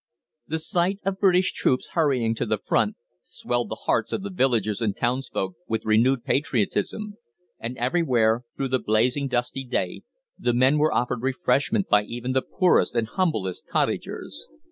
The sight of British troops hurrying to the front swelled the hearts of the villagers and townsfolk with renewed patriotism, and everywhere, through the blazing, dusty day, the men were offered refreshment by even the poorest and humblest cottagers.